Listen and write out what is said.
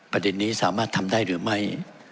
ประเด็นนี้สามารถทำได้หรือไม่